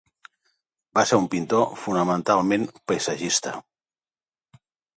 Va ser un pintor fonamentalment paisatgista.